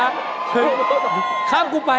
ข้ามกูไปข้ามกูไป